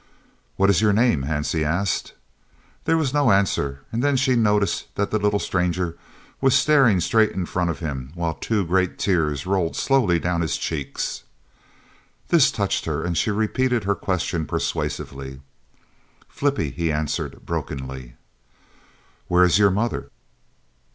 "What is your name?" Hansie asked. There was no answer, and then she noticed that the little stranger was staring straight in front of him, while two great tears rolled slowly down his cheeks. This touched her, and she repeated her question persuasively. "Flippie," he answered brokenly. "Where is your mother?"